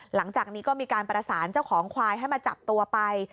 หลังจากนี้ก็มีการประสานเจ้าของควายให้มาจับตัวไป